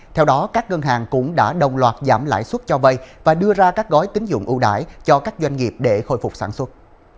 theo đó các ngân hàng cũng đã đồng loạt giảm lãi suất cho vay và đưa ra các gói tính dụng ưu đại cho các doanh nghiệp để khôi phục sản xuất